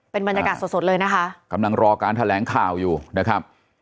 เป็นบรรยากาศสดสดเลยนะคะกำลังรอการแถลงข่าวอยู่นะครับ